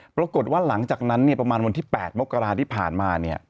ปรากฏว่าหลังจากนั้นประมาณวันที่๘มกราที่ผ่านมา